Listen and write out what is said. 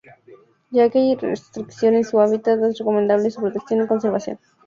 Ya que hay restricción en su hábitat es recomendable su protección y conservación.